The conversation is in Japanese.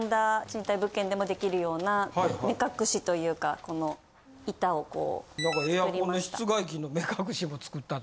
賃貸物件でもできるような目隠しというかこの板を作りました。